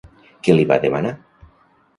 Què li va demanar?